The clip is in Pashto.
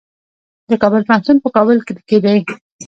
د کابل پوهنتون په کابل کې دی